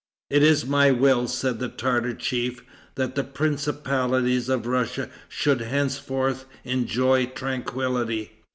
"It is my will," said the Tartar chief, "that the principalities of Russia should henceforth enjoy tranquillity.